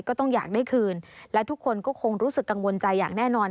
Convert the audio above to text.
ก็ต้องอยากได้คืนและทุกคนก็คงรู้สึกกังวลใจอย่างแน่นอน